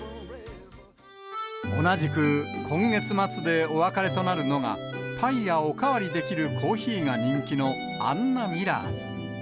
同じく今月末でお別れとなるのが、パイやお代わりできるコーヒーが人気のアンナミラーズ。